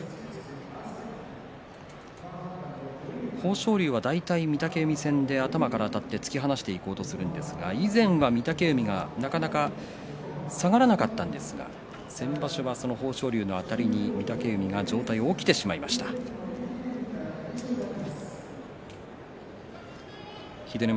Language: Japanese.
豊昇龍は大体、御嶽海戦で頭からあたって突き放していこうとするんですが以前は御嶽海はなかなか下がらなかったんですが先場所は豊昇龍のあたりに上体が起きてしまいました御嶽海。